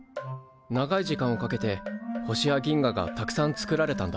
長い時間をかけて星や銀河がたくさんつくられたんだ。